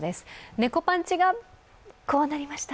猫パンチが、こうなりました。